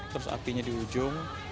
terus apinya di ujung